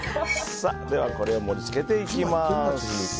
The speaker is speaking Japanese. これを盛り付けていきます。